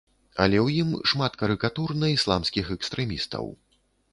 Але ў ім шмат карыкатур на ісламскіх экстрэмістаў.